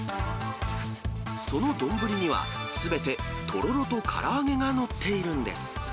その丼には、すべてとろろとから揚げが載っているんです。